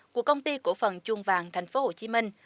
của công ty cổ phần chuông vàng thành phố hồ chí minh